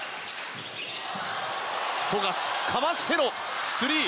富樫、かわしてのスリー！